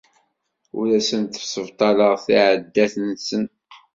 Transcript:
Ur asen-ssebṭaleɣ ttiɛadat-nsen.